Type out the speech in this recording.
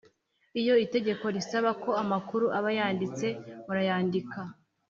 Iyo itegeko risaba ko amakuru aba yanditse murayandika